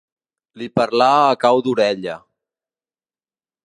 Li parlà a cau d'orella.